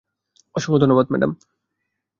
অসংখ্য ধন্যবাদ, ম্যাডাম।